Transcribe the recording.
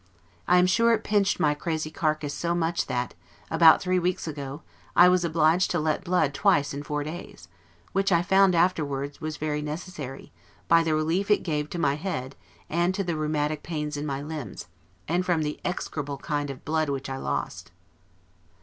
I am sure it pinched my crazy carcass so much that, about three weeks ago, I was obliged to be let blood twice in four days, which I found afterward was very necessary, by the relief it gave to my head and to the rheumatic pains in my limbs; and from the execrable kind of blood which I lost.